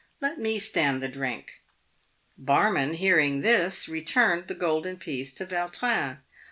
Let me stand the drink." The barman, hearing this, returned the golden piece to Vautrin.